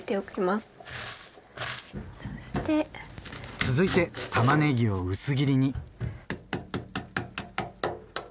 続いてたまねぎを薄切りに。